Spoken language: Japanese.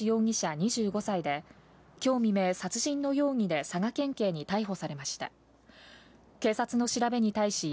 ２５歳で今日未明、殺人の容疑で佐賀県警に逮捕されました。